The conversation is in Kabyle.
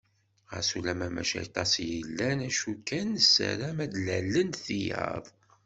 Xas ulamma mačči aṭas i yellan, acu kan nessaram ad d-lalent tiyaḍ.